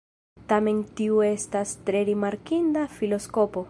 Tamen tiu estas tre rimarkinda filoskopo.